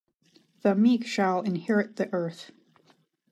The meek shall inherit the earth.